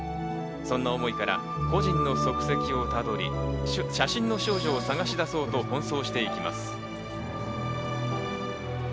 そんな思いから故人の足跡をたどり、写真の少女を捜し出そうと奔走していきます。